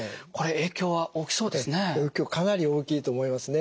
影響かなり大きいと思いますね。